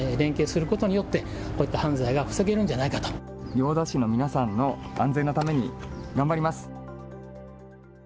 行田市の皆さんの安全のために頑張ります。